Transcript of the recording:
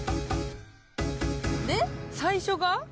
で最初が。